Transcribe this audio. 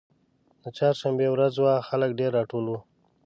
د چهارشنبې ورځ وه خلک ډېر راټول وو.